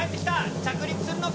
着陸するのか？